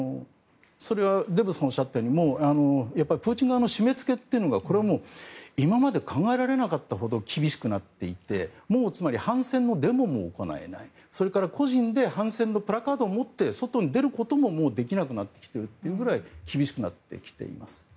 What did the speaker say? それはデーブさんがおっしゃったようにプーチン側の締め付けというのが今まで考えられなかったほど厳しくなっていてもう、反戦もデモも行えないそれから個人で反戦のプラカードをもって外に出ることももうできなくなっているというくらい厳しくなってきています。